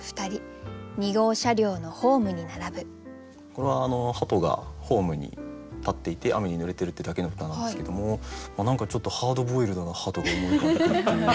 これは鳩がホームに立っていて雨に濡れてるってだけの歌なんですけども何かちょっとハードボイルドな鳩が思い浮かんでくるっていう。